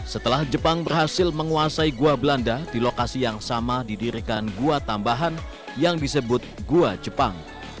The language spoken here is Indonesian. setelah jepang berhasil menguasai gua belanda di lokasi yang sama didirikan gua tambahan yang disebut gua jepang